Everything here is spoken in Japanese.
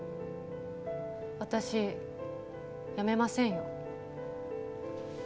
私辞めませんよ。